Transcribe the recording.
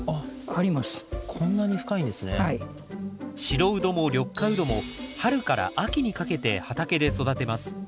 白ウドも緑化ウドも春から秋にかけて畑で育てます。